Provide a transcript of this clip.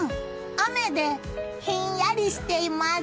雨でひんやりしています。